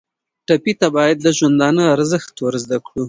ټپي ته باید د ژوندانه ارزښت ور زده کړو.